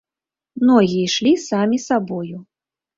Ногі ішлі самі сабою.